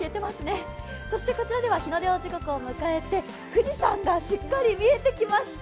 そしてこちらでは日の出の時刻を迎えて富士山がしっかり見えてきました。